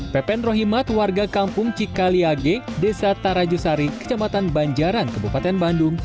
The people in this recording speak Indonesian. pepen rohimat warga kampung cikaliage desa tarajusari kecamatan banjaran kebupaten bandung